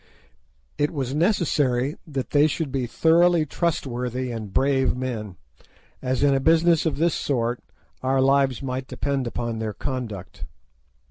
It was necessary that they should be thoroughly trustworthy and brave men, as in a business of this sort our lives might depend upon their conduct.